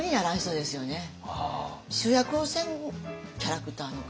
主役をせんキャラクターの方。